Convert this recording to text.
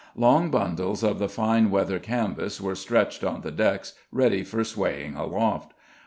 Long bundles of the fine weather canvas were stretched on the decks ready for swaying aloft.